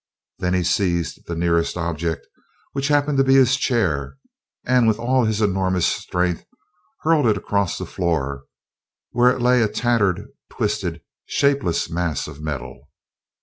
Then he seized the nearest object, which happened to be his chair, and with all his enormous strength hurled it across the floor, where it lay, a tattered, twisted, shapeless mass of metal.